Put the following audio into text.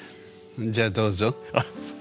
じゃあどうぞ。